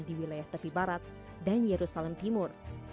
di wilayah tepi barat dan yerusalem timur